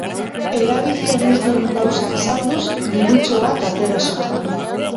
Erabiltzen ez diren gauzak salduz, dirutxo bat atera zuten.